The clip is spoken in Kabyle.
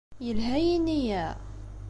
Yelha yini-a?